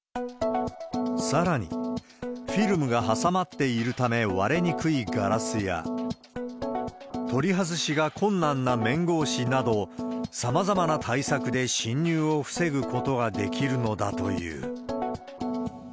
さらに、フィルムが挟まっているため割れにくいガラスや、取り外しが困難な面格子など、さまざまな対策で侵入を防ぐことができるのだという。